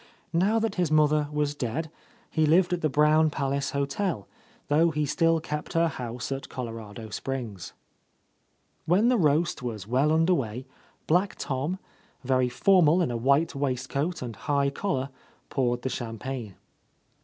Now that his mother was dead, he lived at the Brown Palace hotel, though he still kept her house at Colorado Springs. When the roast was well under way. Black Tom, very formal in a white waistcoat and high collar, poured the champagne.